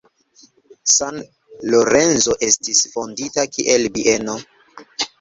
San Lorenzo estis fondita kiel bieno.